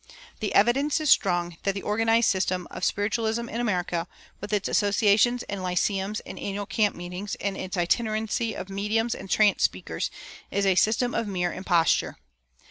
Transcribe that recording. The evidence is strong that the organized system of spiritualism in America, with its associations and lyceums and annual camp meetings, and its itinerancy of mediums and trance speakers, is a system of mere imposture.